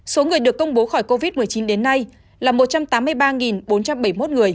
số người được công bố khỏi covid một mươi chín đến nay là một trăm tám mươi ba bốn trăm bảy mươi một người